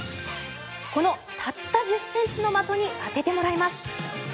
このたった１０ｃｍの的に当ててもらいます。